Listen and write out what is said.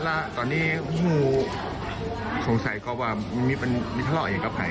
แล้วตอนนี้คุณผู้ชมสงสัยก็ว่ามีปัญหาทะเลาะอย่างกับใคร